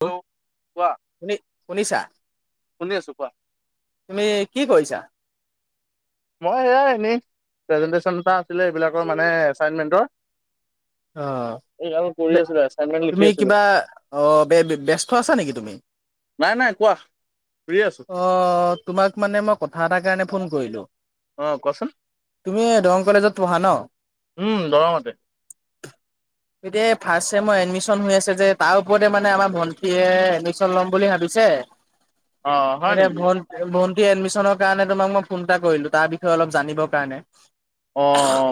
Hello কোৱা শুনি শুনিছা শুনি আছো কোৱা তুমি কি কৰিছা? মই এয়াই এনেই প্ৰেজেনটেচন এটা আছিলে এইবিলাকৰ মানে এচাইনমেন্টৰ অ এইবিলাক কৰি আছিলো এচাইনমেন্ট লিখি তুমি আছিলো কিবা অ ব্যস্ত আছা নেকি তুমি? নাই নাই কোৱা আছো অ তোমাক মানে মই কথা এটাৰ কাৰণে ফোন কৰিলো অ কোৱাচোন তুমি দৰং কলেজত পঢ়া ন? উম দৰঙতে এতিয়া ফাৰ্ষট মই এডমিশন হৈ আছে যে তাৰ ওপৰতে মানে আমাৰ ভন্টিয়ীয়ে এডমিশন লম বুলি ভাবিছে? [unintelligible] অ হয় এতিয়া নেকি ভন ভণ্টি এডমিচনৰ কাৰণে তোমাক মই ফোন এটা কৰিলো তাৰ বিষয়ে অলপ জানিবৰ কাৰণে অ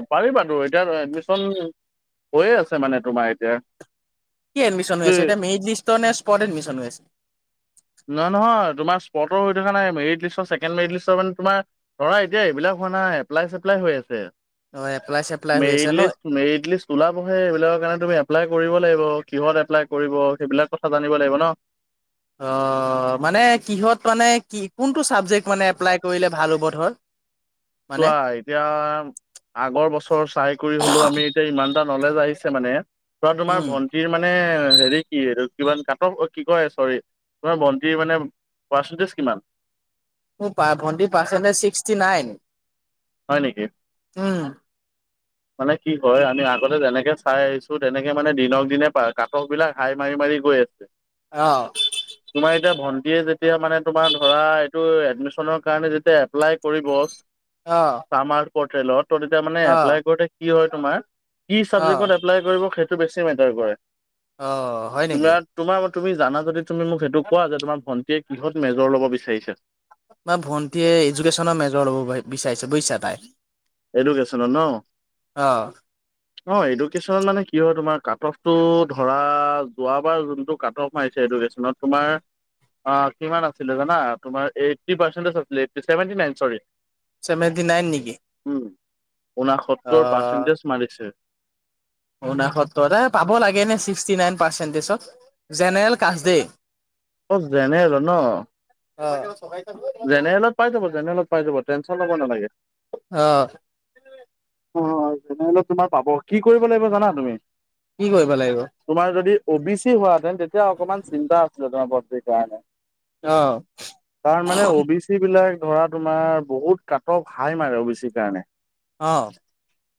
পাৰিবা তো এতিয়া এডমিশন হৈয়ে আছে মানে তোমাৰ এতিয়া। কি এডমিশন হৈছে এতিয়া মেৰিট লিষ্ট নে স্পট এডমিশন হৈ আছে নহয় নহয় তোমাৰ স্পটৰ হৈ থকা নাই মেৰিট লিষ্টছেকেণ্ড মেৰিট লিষ্টৰ মানে তোমাৰ ধৰা এতিয়া এইবিলাক। এপ্লাই চেপ্লাই হৈ আছে। অ এপ্লাই চেপ্লাই হৈ আছে মেৰিট ন লিষ্ট মেৰিট লিষ্ট ওলাবহে এইবিলাকৰ কাৰণে তুমি। এপ্লাই কৰিব লাগিব কিহত এপ্লাই কৰিব সেইবিলাক কথা জানিব লাগিব ন। অ মানে কিহত মানে কি কোনটো ছাবজেক্ট মানে এপ্লাই কৰিলে ভাল হ'ব ধৰ মানে চোৱা এতিয়া আগৰ বছৰ চাই কৰি হলেও আমি এতিয়া ইমানটা নলেজ আহিছে মানে চোৱা তোমাৰ উম, ভন্টিৰ মানে হেৰি কি এইটো কিমান কাটক কি কয় চৰি তোমাৰ ভণ্টী মানে পাৰ্চেণ্টেজ কিমান? মোৰ ভণ্টি পাৰ্চণ্টেজ ছিক্সটি নাইন। হয় নেকি? উম, মানে কি হয়। আমি আগতে যেনেকে চাই আহিছো তেনেকে মানে দিনক দিনে কাকক বিলাক হাই মাৰি-মাৰি গৈ আছে। অঁ। [unintelligible] ভন্টিয়ে যেতিয়া মানে তোমাৰ ধৰা এইটো এডমিচনৰ কাৰণে যেতিয়া এপ্লাই কৰিব আহ, [unintelligible] বেছি অ', মেটাৰ কৰে। অ হয় নেকি? তোমাৰ তোমাৰ তুমি, জানা যদি তুমি মোক সেইটো কোৱা যে তোমাৰ ভন্টিয়ে কিহত মেজৰ ল'ব বিচাৰিছে বা ভন্টীয়ে এডুকেশ্যনৰ মেজৰ ল'ব বিচাৰিছে। বুজিছা তাই এডুকেশ্যনৰ ন অ' অ, এডুকেনত মানে কি হয় তোমাৰ কাট অফটো ধৰা যোৱাবাৰ যোনটো কাট অফ মাৰিছে। ত তোমাৰ অ কিমান আছিলে জানা তমাৰ এইট পাৰ্চটজ আছিলভেট ন চ [inaudible] ছেভেন্টি নাইন নেকি? ঊনাসত্তৰ পাৰ্চেটেজ মাৰিছে। ঊনসত্তৰ এই পাব লাগেনে, ছিকছটি নাইন পাৰ্চেণ্টেজত জেনেৰেল কাষ্ট দেই। অ জেনেৰেল ন? অ, জেনেৰেলত পাই যাব জেনেলত পাই যাব টেনচন ল'ব নালাগে। অ', অ, তেনেহ'লে তোমাৰ পাব। কি কৰিব লাগিব জানা তুমি? কি কৰিব লাগিব। তোমাৰ যদি অ বি চি হোৱেতেন তেতিয়া অকমান চিন্তা আছিলে নাম ভৰ্তিৰ কাৰণে অ', তাৰ মানে অ বি চি বিলাক ধৰা তোমাৰ বহুত কাটক হাই মাৰে অ বি চি কাৰণে অ,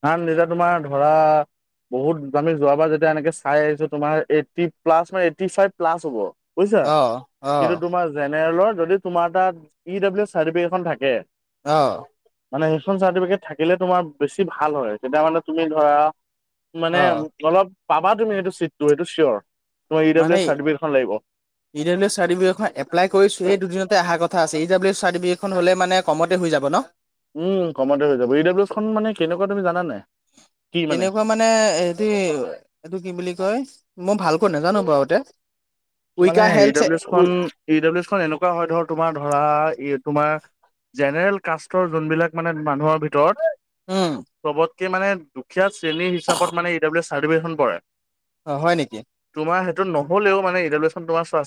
আন যেতিয়া তোমাৰ ধৰা বহুত আমি যোৱাবাৰ যেতিয়া এনেকে চাই আহিছো। তোমাৰ eighty plus eighty five plus হ'ব। বুজিছা। অ', কিন্তু অ', তোমাৰ জেনেৰেলৰ যদি, তোমাৰ তাত ই ডাব্লিউ চাৰ্টিফিকেটখন থাকে। আহ মানে ৰেচন চাৰ্টিফিকেট থাকিলে, তোমাৰ বেছি ভাল হয় তেতিয়া মানে তুমি ধৰা। মানে অ', অলপ পাবা তুমি সেইটো চিটটো এইটো চিয়'ৰ তোমাৰ ডাব্লিউ মানে এছ ই চাৰ্টিফিকেটখন লাগিব ডাব্লি চাৰ্টিফিকেট এপ্লাই কৰিছো। এই দুদিনতে অহা কথা। ক আছে ই ডাব্লিউ চাৰ্টিফিকেখন হ'লে মানে কম হৈ যাব ন উম কমাতে হৈ যাব। ই ডব্লিউৰ খনত মানে কেনেকুৱা তুমি জানে নে। কেনেকুৱা মানে হটো এইটো কি বুলি কয়। মই ভালকৈ নাজানো বাৰুতে মানে উইকা ই হেল্থ ডাব্লিউচ খন ই ডাব্লিউচ খন এনেকুৱা হয়, ধৰ তোমাৰ ধৰা ই তোমাৰ জেনেৰেল কাষ্টৰ যোনবিলাক মানে মানুহৰ ভিতৰত উম চবত মানে দুখীয়া শ্ৰেণী হিচাপত মানে ই ডব্লউ চাৰ্টিফিকেটখন পৰে অ হয় নেকি? তোমাৰ সেইটো নহ'লেও মানে ৰিলেচন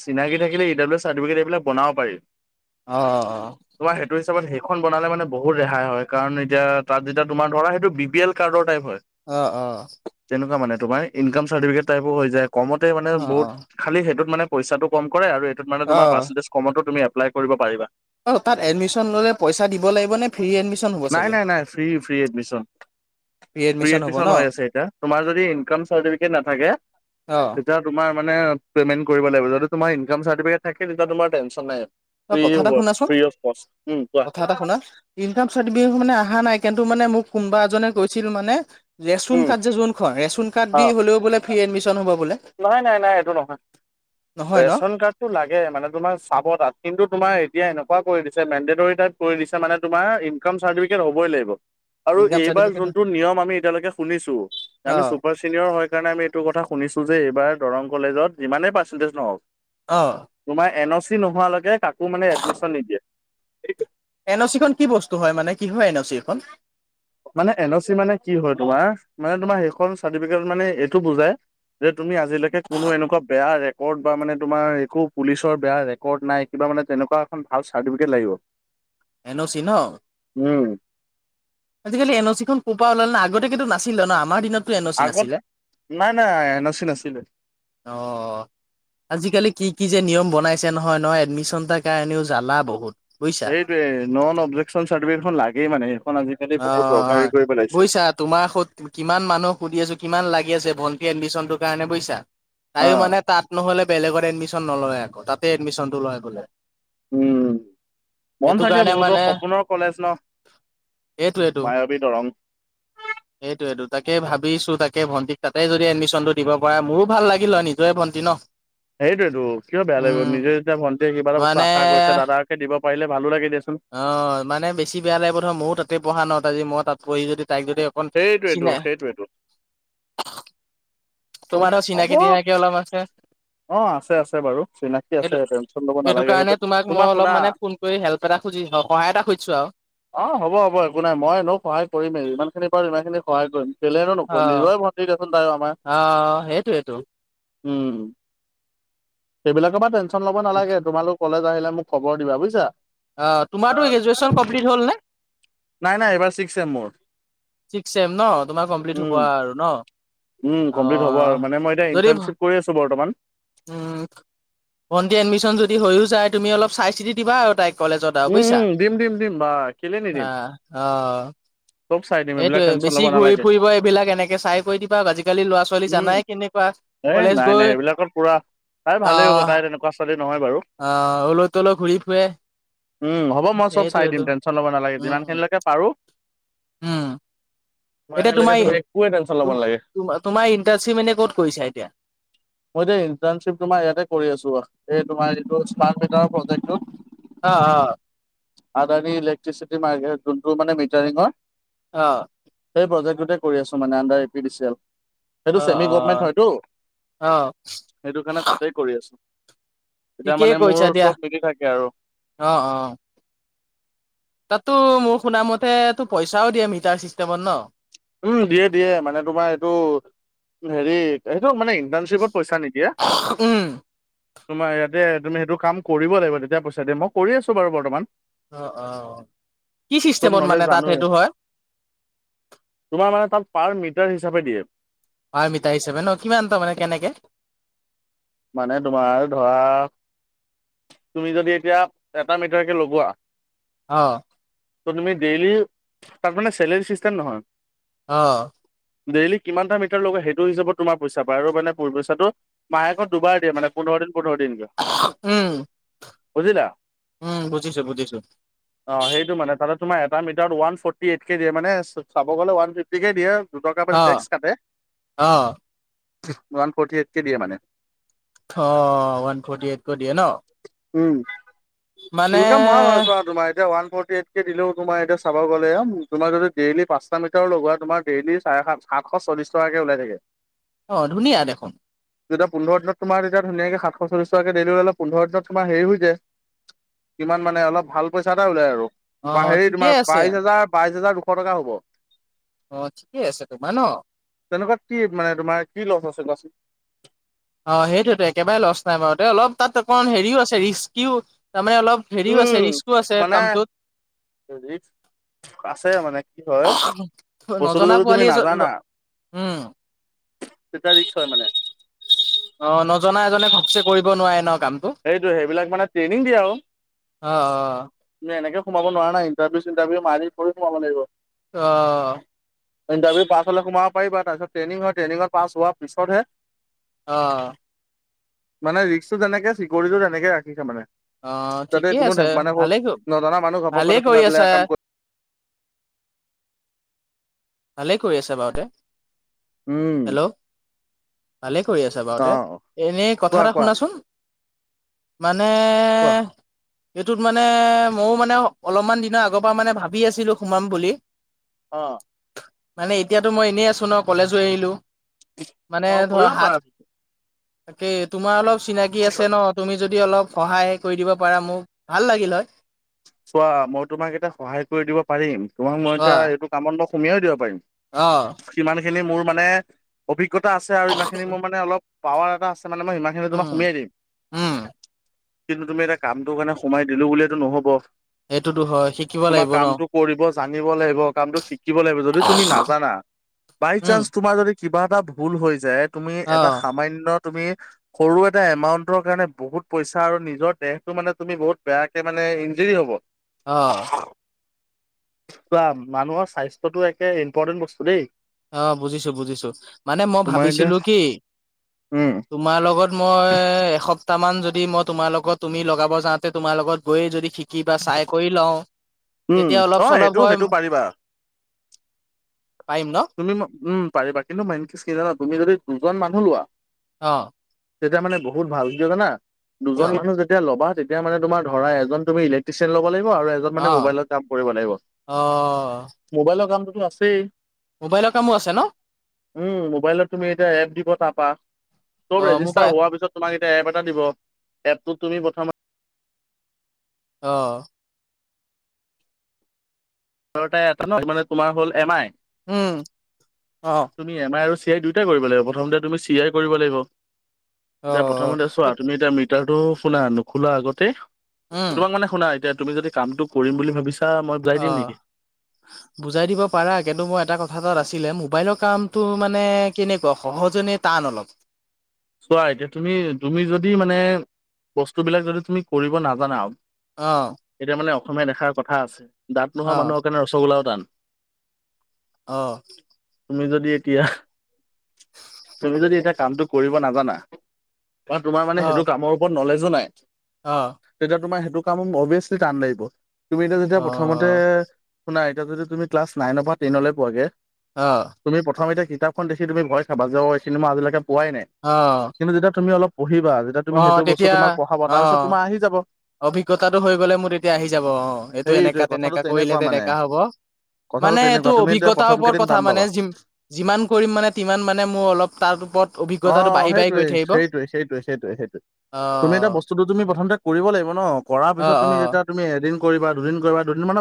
চিনাকি থাকিলে। ইডব্লউ চাৰ্টিফিকেট এইবিলাক বনাব পাৰি। আহ তোমাৰ অ-অ সেইটো সেইখন বনালে মানে বহুত ৰেহাই হয়। কাৰণ এতিয়া তাত যেতিয়া তোমাৰ ধৰা সেইটো বি পি এল কাৰ্ডৰ টাইপ। হয়। আহ-আহ তেনেকুৱা মানে তোমাৰ ইনকাম চাৰ্টিফিকেটটাইপো হৈ যায়। কমতে মানে অ বহুত খালি সেইটোত মানে পইচাটো কম কৰে আৰু মানে অ তুাৰ্চেটেজ কমত তুমি এপ্লাই কৰিব পাৰা [unintelligible] অ তাত এডমিশন ললে পইচা দিব লাগিব নে? ফ্ৰী এডমিশ্যন হ'ব নাই চাগে? নাই নাই free free admission. Free admission হ'ব ন? এডমিচন হৈ আছে এতিয়া। তোমাৰ যদি ইনকম চাৰ্টিফিকেট নাথাকে অ তেতিয়া তোমাৰানে পেমেণ্ট কৰিব লাগিব যদি তোমাৰ ইনকাম চাৰ্টিফিকেট থাকে তেন্তে তোমাৰ টেনশ্যন নাই তই ফ্ৰীয়ে কথা এটা হয়, শুনাচোন ফ্ৰী অফ কষ্ট। উম, কোৱা ছ বিহু মানে অহা নাই কিন্তু মানে মোক কোনোবা এজনে কৈছিল মানে ৰেচন উম কাৰ্ড যে যোনখন, ৰেচন কাৰ্ড দি অ হ'লেও বোলে ফ্ৰী এডমিচন হ'ব বোলে নাই, নাই, নাই, এইটো নহয়। নহয় ন ৰেচন কাৰ্ডটো লাগে মানে তোমাক চাব তাত কিন্তু তোমাৰ এতিয়া এনেকুৱ কৰি দিছে মেড টাইপ কৰি দিছে মানে তোমাৰ ইনক চাৰ্টিফিকেট হবই লাগিব আৰু ইনকাম এইবাৰ চাৰ্টিফিকেট যিটো নিয়ম আমি এতিয়ালৈকে শুনিছোঁ, যে অ আমি চুপাৰ ছিনিয়ৰ হয় কাৰণে আমি [unintelligible] টি অ নোহোৱালৈকে, কাকো মানে এডমিচন নিদিয়ে। এনঅ'চিখন কি বস্তু হয় মানে, কি হয় এনঅ'চিখন? মানে এনঅ'চি মানে, কি হয় তোমাৰ, মানে তোমাৰ সেইখন চাৰ্টিফিকেট মানে, এইটো বুজাই যে তুমি আজিলৈকে কোনো এনেকুৱা বেয়া ৰেকৰ্ড, বা মানে তোমাৰ, একো পুলিচৰ বেয়া ৰেকৰ্ড নাই, কিবা তেনেকোৱা এখন ভাল চাৰ্টিফিকেট লাগিব এনঅ'চি ন? উম, আজিকালি এনঅ'চিখন ক'ৰ পৰা ওলাল? আগতে কিন্তু নাছিলে ন? আমাৰ দিনত আগত নাই নাই নাচি নাছিলে অ আজিকালি কি কি যে নিয়ম বনাইছে নহয় নহয় এডমিশন তাৰ কাৰণেও জ্বালা বহুত বুজিছা সেইটোৱেই, নন অবজেকচন চাৰ্টিফিকেটখন লাগেই মানে আজিকালি অ', বহুত অ', দৰকাৰী অ'। কৰি পেলাইছে। বুজিছা, তোমাৰ সত, কিমান মানুহ সুধি আছোঁ কিমান লাগি আছে ভণ্টি এডমিচনটোৰ কাৰণে বুজিছা? তাইও অ', মানে, তাত নহ'লে বেলেগত এডমিচন নলয় আকৌ, তাতে এডমিচনটো লয় বোলে উম, মন সেইটো থাকে কাৰণে বহুতৰ মানে সপোনৰ কলেজ ন? সেইটোৱেটো, মায়াবী দৰং। সেইটোৱে তাকে ভাবিছো তাকে ভণ্টিক তাতে যদি এডমিশ্যনতটো দিব পাৰে মোৰো ভাল লাগিল হয় নিজৰে ভণ্টি ন সেইটোৱেতটো কিয় বেয়া লাগিব উম নিজে যেতিয়া ভণ্টিয়ে কিবা এটা বস্তু মানে আশা কৰিছে দাদাকে দিব পাৰিলে ভালো লাগে দ অ মানে বেছি বেয়া লাগে প্ৰথম ময়ো তাতে পঢ়া ন আজি মই তাত পঢ়ি যদি তাইক যদি অকণ সেইটোৱেতো চিনে সেইটোৱেতো তোমাৰেও হ'ব চিনাকি চিনাকি অলপ আছে অ আছে আছে বাৰু চিনাকি আছে টেনচন ল'ব এইটো নালাগে সেইটো কাৰণে তোমাক মই শুনা অলপ মানে ফোন কৰি হেল্প এটা খুজি সহায় এটা খুজিছো আৰু অ হ'ব হ'ব একো নাই মইনে সহায় কৰিমেই ইমান খিনি বাৰু ইমান খিনি সহায় কৰিম। বেলেগৰ অ নকৰোঁ, নিজৰে ভণ্টী দিয়াচোন তাইও আমাৰ সেইটো উম সেইবিলাকৰ পৰা টেনচন লব নালাগে তোমালোক কলেজ আহিলে মোক খবৰ দিবা বুজছা অ তোমাৰতো গ্ৰেজুৱেচন কমপ্লিট হ'ল নে নাই নাই এইবাৰ ছিক্স ছেম মোৰ ছিক্স ছেম ন? তোমাৰ কমপ্লিট হ'ব উম আৰু ন? উম, অ কমপ্লিট হ'ব আৰু মানে মই এতিয়া ইণ্টাৰ্ণশ্বিপ কৰি আছোঁ বৰ্তমান। উ ভণ্টি এডমিচন যদি হৈও যায় তুমি অলপ চাই চিতি দিবা আৰু তাইক কলেজত আৰু উম বুজিছা উম দিম দিম দিম বা কেলে নিদিম বা অ চব চাই দিম এইবিলাক সেইটোৱে টেনচন ল'ব বেছি ঘূৰি নালাগে ফুৰিব এইবিলাক এনেকে চাই কৈ দিবা আজিকালি লৰা ছোৱালী জানাই কেনেকুৱা সেই, কলেজ নাই, গৈ নাই, সেইবিলাকত পুৰা, তাই ভালেই হ'ব, আহ তাই তেনেকুৱা ছোৱালী নহয় বাৰু আহ অলো তলো ঘূৰি ফুৰে। উম, হ'ব মই চ'ব চাই দিম সেইটোয়েতো টেনশ্যন ল'ব নালাগে। যিমান উম খিনিলৈকে পাৰোঁ। উম। এতিয়া তুমি একোৱে টেনচন ল'ব নালাগে তোমাৰ তোমাৰ ইণ্টাৰনশ্বিপ এনে ক'ত কৰিছা এতিয়া। মইতো ইণ্টাৰ্ণশ্বিপ তোমাৰ ইয়াতে কৰি আছোঁ আহ এই তোমাৰ এইটো স্মাৰ্ট মিটাৰ প্ৰজেক্টটোত। অ', অ', আদানী ইলেক্ট্ৰিচিটি ম যোনটো মানে মিটাৰিঙৰ। অ। সেই প্ৰজেক্টটোতে কৰি আছোঁ মানে under A P D C L. সেইটো অ', চেমি গভমেণ্ট অ', হয়তটো অ', সেইটো কাৰণে তাতে কৰি আছো। তেতিয়া মানে ঠিকেই মোৰ কৰিছা দিয়া চব মিলি থাকে আৰু অ' অ' তাঁতো মোৰ শুনামতে টো পইচাও দিয়ে মিটাৰ চিষ্টেমত ন। উম দিয়ে দিয়ে মানে তোমাৰ এইটো হেৰি সেইটো মানে ইণ্টাৰণশ্বিপত পইচা নিদিয়ে। উম, তোমাৰ ইয়াতে তুমি সেইটো কাম কৰিব লাগিব তেতিয়া পইচা দিা মই কৰি আছো বাৰু বৰ্তমান। অ' অ' কি চব চিষ্টেমত নলেজ মানে তাত জানোৱেই সেইটো হয়। হয়, তাত পাৰ মিটাৰ হিচাপে দিয়ে। হয় মিতা হিচাপে ন কিমান তাৰমানে কেনেকে। মানে তোমাৰ ধৰা তুমি যদি এতিয়া এটা মিটাৰকে লগোৱা অ'। ত' তুমি ডেইলি তাত মানে চেলাৰী চিষ্টেম নহয়। অ' ডেইলি কিমানটা মিটাৰ লগায় সেইটো হিচাপত তোমাৰ পইচা পায় আৰু মানে পইচাটো [unintelligible] দুবাৰ দিয়ে মানে পোন্ধৰ দিন পোন্ধৰ দিনকে উম। বুজিলা। উম, বুজিছো-বুজিছো। অ সেইটো মানে তাতে তোমাৰ এটা মিটাৰ ওৱান ফৰ্টি এইট কে দিয়ে মানে চাব গ'লে ওৱান ফ্ৰিফটিকে দিয়ে। দুটকা মান অ', টেক্স কাটে অ', ওৱান ফৰ্টি এইটকে দিয়ে মানে। অ' ওৱান ফৰৰ্টি এইট কৈ দিয়ে ন উম মানে ইনকাম ভাল আৰু চোৱা তোমাৰ এতিয়া ওৱান ফৰ্টি এইট কে দিলেও তোমাৰ এতিয়া চাব গলে তোমাৰ যদি ডেইলি পাঁচটা মিটাৰ লগোৱা তোমাৰ ডেইলি চাৰে সাত আঠশ চল্লিছ টকাকে ওলাই থাকে। অ' ধুনীয়া দেখোন। যেতিয়া পোন্ধ দিনত তোমাৰ তেতিয়া ধুনীয়াকে সাতশ চল্লিছ টকাকৈ দেইলি ওলালে পোন্ধৰ দিনত তোমাৰ হেৰি হৈ যায়। কিমান মানে অলপ ভাল পইচা এটা ওলাই আৰু অ', হেৰি ঠিকেই তোমাৰ আছে। বাইশ হাজাৰ, বাইশ হাজাৰ দুশ টকা হ'ব। অ' ঠিকে আছে তোমাৰ ন তেনেকুৱাত কি মানে তোমাৰ কি লছ আছে কোৱাচোন? অ' সেইটোয়েতো একেবাৰে লছ নাই বাৰু দে অলপ তাত অকণ হেৰিও আছে ৰিস্কিও তাৰমানে অলপ হেৰিও আছে, উম ৰিস্কো আছে মানে কামটোত। আছে মানে কি হয় বস্তুটো নজনা তুমি পোৱালি এজন নাজানা? উম। তেতিয়া ৰিস্কি হয় মানে। অ' নজনা এজনে ঘপচে কৰিব নোৱাৰে ন। কামটো হেইটো হেইবিলাক মানে ট্ৰেইনিং দিয়ে আৰু অ এনেকে। সোমাব নোৱাৰে না ইন্টাৰভিউ-চিটাৰভিউ মাৰি কৰি সোমাব লাগিব। অ ইণ্টাৰভিউ পাছ হ'লে তোমাৰ পাৰিবা তাৰপিছত ট্ৰেনিং হয় ট্ৰেনিংত পাছ হোৱাৰ পিছতহে অহ' মানে ৰিক্কটো তেনেকে, চিকিউৰিটিটো তেনেকে ৰাখিছে মানে। অ' যাতে ঠিকেই কোনো আছে মানে ভালে নজনা মানুহ ভালেই ঘপকতে কৰি সোমাই আছা। পেলাই কাম [inaudible] কৰে ভালে কৰি আছে বাৰু তাই। উম। ভালে কৰি আছে বাৰু অ তাই এনেই কথা কোৱা এটা কোৱা শুনাচোন মানে কোৱা মানে এইটোত মানে ময়ো মানে অলপমান দিনৰ আগৰ পৰা মানে ভাবি আছিলোঁ সোমাম বুলি অ মানে এতিয়াতো মই এনেই আছোঁ ন কলেজো এৰিলো মানে অ ধৰা কৰিব হাত পাৰা তাকেই তোমাৰ অলপ চিনাকি আছে ন তুমি যদি যদি অলপ সহায় কৰি দিব পাৰা মোক ভাল লাগিল হয়। চোৱা মই তোমাক এটা সহায় কৰি দিব পাৰিম তোমাক মই অ এতিয়া এইটো কামত মই সুমিয়াই দিব পাৰিম অ যিখিনি মোৰ মানে অভিজ্ঞতা আছে আৰু ইমান খিনি মোৰ মানে অলপ পাৱাৰ এটা আছে মানে মই সিমানখিনি তোমাক উম সোমিয়াই দিম উম কিন্তু তুমি এতিয়া কামটো কাৰণে সোমাই দিলো বুলিয়েতো নহ'ব এইটোতো হয়। শিকিব তোমাৰ লাগিব ন কামটো কৰিব জানিব লাগিব কামটো শিকিব লাগিব যদি তুমি নাজানা বাই উম চান্স তোমাৰ যদি কিবা এটা ভুল হৈ যায় তুমি অ এটা সামান্য তুমি সৰু এটা এমাউণ্টৰ কাৰণে বহুত পইচা আৰু নিজৰ দেহটো মানে তুমি বহুত বেয়াকে মানে দেৰি হ'ব। অ', অ', অ'। চোৱা মানুহৰ স্বাস্থ্যটো একে ইম্পৰ্টেণ্ট বস্তু দেই অ বুজিছোঁ বুজিছোঁ মানে মই তোমাৰ এতিয়া ভাবিছিলোঁ কি উম তোমাৰ লগত মই এসপ্তাহ মান যদি মই তোমাৰ লগত তুমি লগাব যাওঁতে তোমাৰ লগত গৈ যদি শিকো কিবা চাই কৰি লওঁ উম তেতিয়া অলপ অ চলপ এইটো হয় সেইটো পাৰিবা পাৰিম ন তুমি উম, পাৰিবা কিন্তু মেইন কেছ কি জানা তুমি যদি দুজন মানুহ লোৱা অ তেতিয়া মানে বহুত ভাল কিয় জানা দুজন কিয় মানুহ যেতিয়া ল'বা তেতিয়া মানে তোমাৰ ধৰা এজন তুমি ইলেক্ট্ৰিচিয়ান ল'ব লাগিব আৰু অ মোবাইলত কাম কৰিব লাগিব অ মোবাইলৰ কাম আছেই মোবাইলৰ কামো আছে ন উম মোবাইলত তুমি এতিয়া এপ দিব তাপা অ চব ৰেজিষ্টাৰ মোবাইল হোৱাৰ পিছত তোমাক এতিয়া এপ এটা দিব এপটোত তুমি প্ৰথমতে অ এটা ন মানে তোমাৰ হল এম আই উম অ অ তুমি এম আই আৰু চি আই দুইটাই কৰিব লাগিব প্ৰথমতে তুমি চি আই কৰিব লাগিব এতিয়া অ', প্ৰথমতে চোৱা তুমি এতিয়া মৃত্ কথাটো শুনা নোখোলা আগতে উম, তোমাক মানে শুনা এতিয়া তুমি যদি কামটো কৰিম বুলি ভাবিছা এতিয়া মই পূৰাই দিম অ', নেকি বুজাই দিব পাৰা কিন্তু মই এটা কথা তাত আছিলে মোবাইলৰ কামতটো মানে কেনেকুৱা সহজ যেনে টান অলপ চোৱা এতিয়া তুমি তুমি যদি মানে বস্তুবিলাক যদি তুমি কৰিব নাজানা অ এতিয়া মানে অসমীয়াত এষাৰ কথা আছে দাঁত নোহোৱা অ', মানুহৰ কাৰণে ৰসগোল্লাও টান অ তুমি যদি এতিয়া তুমি যদি এতিয়া কামটো কৰিব নাজানা বা তোমাৰ মানে সেইটো অ', কামৰ ওপৰত ন'লেজো নাই অ', তেতিয়া তোমাৰ সেইটো অবিয়েচলি টান লাগিব তুমি এতিয়া যেতিয়া প্ৰথমতে অ', শুনা এতিয়া যদি তুমি ক্লাছ নাইনৰ পৰা টেনলৈ পোৱাগে অ', তুমি প্ৰথম এতিয়া কিতাপ কিতাপখন দেখি তুমি ভয় খাবা যে অ এইখিনি আজিলৈকে পোৱাই নাই অ', কিন্তু যেতিয়া তুমি অলপ পঢ়িবা যেতিয়া তুমি অ', সেইটো বস্তু তেতিয়া তোমাক পঢ়াব তাৰপিছত অ', তোমাৰ আহি যাব। অভিজ্ঞতাটো হৈ গলে মোৰ তেতিয়া আহি যাব অ এইটো সেইটোৱে এনেকা কথাটো তেনেককা কৰিলে তেনেকুৱা মানে তেনেকা হব কথাটো মানে এইটো তেনেকুৱা তুমি এতিয়া অভিজ্ঞতাৰ প্ৰথম ওপৰত কেইদিন কথা টান পাবা মানেি যিমান কৰিম মানে তিমান মানে মোৰ অলপ তাৰ ওপৰত অ, অভিজ্ঞতাটো বাঢ়ি বাঢ়ি গৈ সেইটয়ে থাকিব সেইটোয়ে সেইটয়ে সেইটয়ে সেইটোয়ে তুমি এটা অ', বস্তুটো তুমি প্ৰথমতে কৰিব লাগিব ন কৰাৰ পিছত অ', তুমি অ'। যেতিয়া তুমি এদিন কৰিবা দুদিনা দুদিনমানত